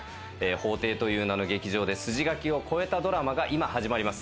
法廷という名の劇場で筋書きを超えたドラマが今、始まります。